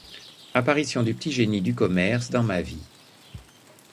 Apparition du petit génie du commerce dans ma vie.